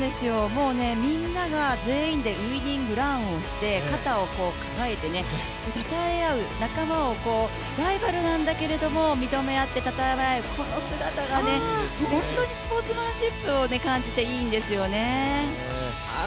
みんなが全員でウイニングランをして肩を抱えて、たたえ合う、仲間をライバルなんだけれども、認め合ってたたえ合う、この姿が本当にスポーツマンシップを感じて、いいんですよね。